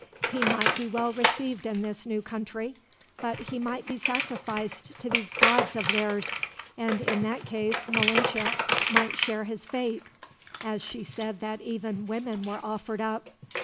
He might be well received in this new country, but he might be sacrificed to these gods of theirs; and in that case Malinche might share his fate as she said that even women were offered up.